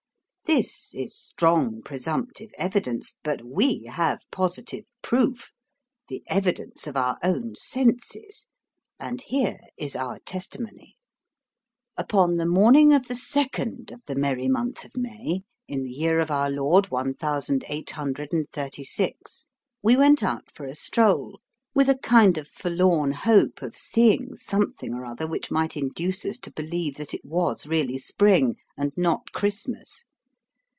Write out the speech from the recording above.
This is strong presump tive evidence, but we have positive proof the evidence of our own senses. And here is our testimony. Upon the morning of the second of the merry month of May, in the year of our Lord one thousand eight hundred and thirty six, we wont out for a stroll, with a kind of forlorn hope of seeing something or other which might induce us to believe that it was really spring, and not Christmas.